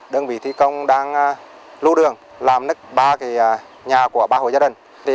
đơn vị thi công đang lưu đường làm nứt ba nhà của ba hộ gia đình